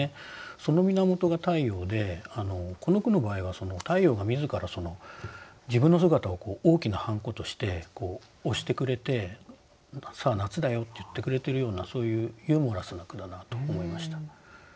その源が太陽でこの句の場合は太陽が自ら自分の姿を大きなハンコとして押してくれて「さあ夏だよ」って言ってくれてるようなそういうユーモラスな句だなと思いました。